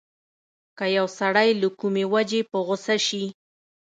که يو سړی له کومې وجې په غوسه شي.